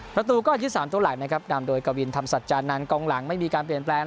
ประตูก้อน๒๓ตัวหลักดำโดยกะวินที่ทำศจานานกองหลังไม่มีการเปลี่ยนแปลง